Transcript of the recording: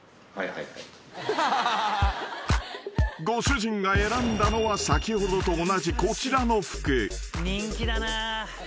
［ご主人が選んだのは先ほどと同じこちらの服］